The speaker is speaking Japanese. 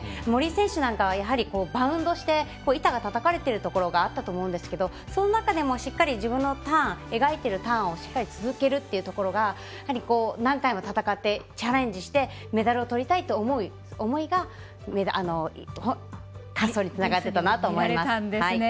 森井選手なんかはバウンドして板がたたかれているところがあったと思うんですけどその中でもしっかり自分のターン描いているターンをしっかり続けるというところが何回も戦ってチャレンジしてメダルをとりたいという思いが滑走につながったなと思います。